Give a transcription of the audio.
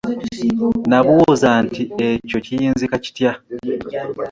Nnabuuza nti Ekyo kiyinzika kitya?